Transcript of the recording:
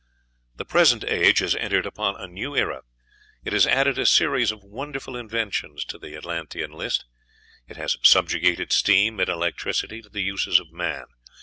The present age has entered upon a new era; it has added a series of wonderful inventions to the Atlantean list; it has subjugated steam and electricity to the uses of man.